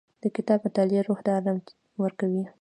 د کتاب مطالعه روح ته ارام ورکوي.